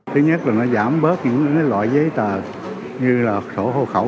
thứ nhất là nó giảm bớt những loại giấy tờ như là sổ hộ khẩu